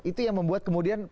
itu yang membuat kemudian